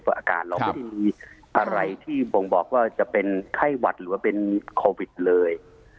อาการเราไม่ได้มีอะไรที่บ่งบอกว่าจะเป็นไข้หวัดหรือว่าเป็นโควิดเลย